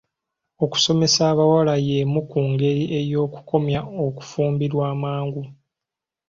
Okusomesa abawala y'emu ku ngeri y'okukomya okufumbirwa amangu.